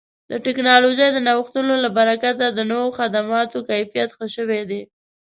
د ټکنالوژۍ د نوښتونو له برکته د نوو خدماتو کیفیت ښه شوی دی.